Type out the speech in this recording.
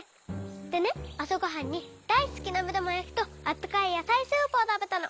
でねあさごはんにだいすきなめだまやきとあったかいやさいスープをたべたの。